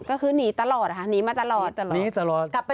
ก็คือหนีตลอดค่ะหนีมาตลอดตลอด